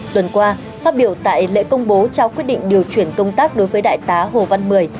tuần qua phát biểu tại lễ công bố trao quyết định điều chuyển công tác đối với đại tá hồ văn mười